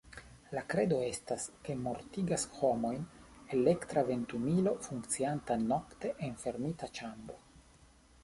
La kredo estas, ke mortigas homojn elektra ventumilo funkcianta nokte en fermita ĉambro.